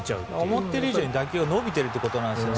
思っている以上に伸びているということなんですね。